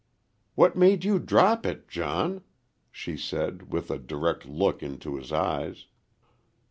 "What made you drop it, John?" she said, with a direct look into his eyes.